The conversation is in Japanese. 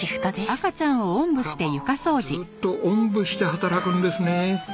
あらまずっとおんぶして働くんですね。